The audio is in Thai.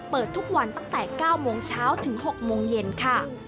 เปิดทุกวันตั้งแต่๙โมงเช้าถึง๖โมงเย็นค่ะ